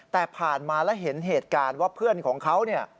แต่ผ่านมาแล้วเห็นเหตุการณ์ว่าเพื่อนของเขาเนี่ย